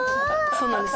そうなんです。